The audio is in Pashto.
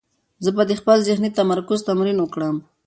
زه به د خپل ذهني تمرکز تمرین وکړم.